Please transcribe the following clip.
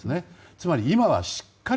つまり今はしっかり